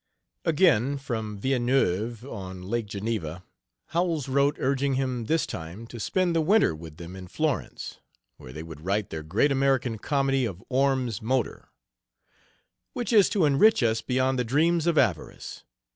Again, from Villeneuve, on lake Geneva, Howells wrote urging him this time to spend the winter with them in Florence, where they would write their great American Comedy of 'Orme's Motor,' "which is to enrich us beyond the dreams of avarice....